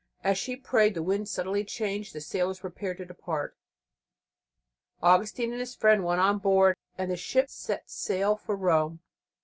As she prayed the wind suddenly changed; the sailors prepared to depart. Augustine and his friend went on board, and the ship set sail for Rome.